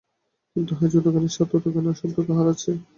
কিন্তু হায়, যতখানি সাধ ততখানি সাধ্য কাহার আছে।